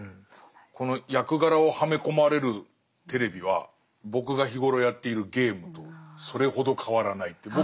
この役柄をはめ込まれるテレビは僕が日頃やっているゲームとそれほど変わらないっていう。